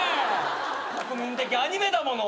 国民的アニメだもの。